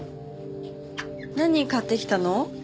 何買ってきたの？